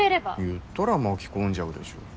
言ったら巻き込んじゃうでしょ。